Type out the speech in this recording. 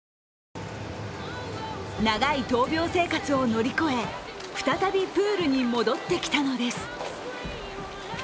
長い闘病生活を乗り越え、再びプールに戻ってきたのです。